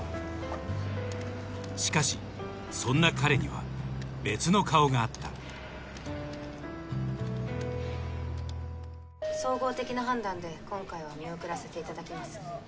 しかしそんな彼には別の顔があった総合的な判断で今回は見送らせていただきます